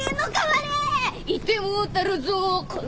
いてもうたるぞこの！